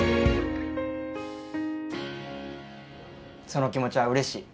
その気持ちはうれしい。